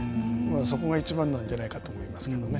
そこがいちばんなんじゃないかと思いますけどね。